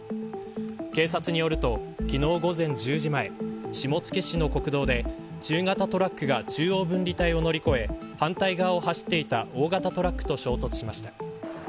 警察によると、昨日午前１０時前下野市の国道で中型トラックが中央分離帯を乗り越え、反対側を走っていた大型トラックと衝突しました。